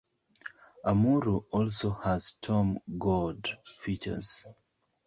Amurru also has storm-god features.